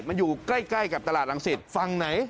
มันอยู่ใกล้กับตลาดรังสิทธิ์